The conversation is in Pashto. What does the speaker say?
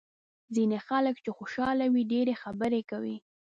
ځینې خلک چې خوشاله وي ډېرې خبرې کوي.